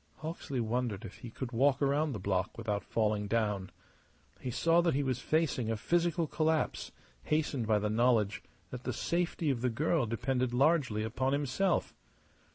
Hawksley wondered if he could walk round the block without falling down. He saw that he was facing a physical collapse, hastened by the knowledge that the safety of the girl depended largely upon himself.